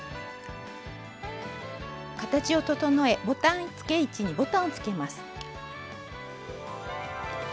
形を整えボタンつけ位置にボタンをつけます。